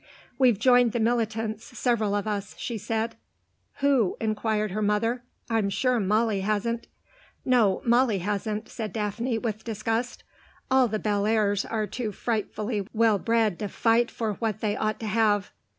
"We've joined the militants, several of us," she said. "Who?" inquired her mother. "I'm sure Molly hasn't." "No, Molly hasn't," said Daphne, with disgust. "All the Bellairs' are too frightfully well bred to fight for what they ought to have.